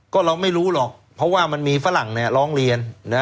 ก็เราไม่รู้หรอกเพราะว่ามันมีฝรั่งร้องเรียน